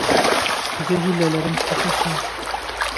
زه هیله لرم چې ښه شم